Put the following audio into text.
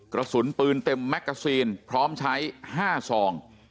กระสุนปืนเต็มแมกกาซีนพร้อมใช้๕ซอง